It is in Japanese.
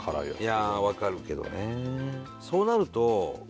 いやわかるけどね。